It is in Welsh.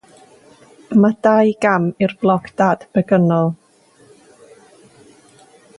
Mae dau gam i'r bloc dad-begynol.